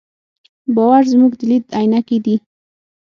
باور زموږ د لید عینکې دي.